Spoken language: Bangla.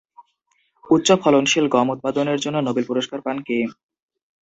উচ্চ ফলনশীল গম উৎপাদনের জন্য নোবেল পুরস্কার পান কে?